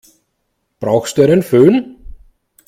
Brauchst du einen Fön?